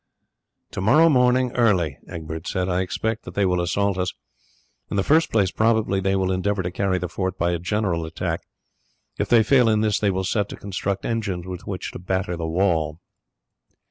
"To morrow morning early," Egbert said, "I expect that they will assault us. In the first place probably they will endeavour to carry the fort by a general attack; if they fail in this they will set to construct engines with which to batter the wall."